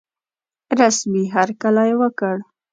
رسمي هرکلی وکړ.